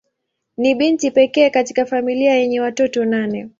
Ni binti pekee katika familia yenye watoto nane.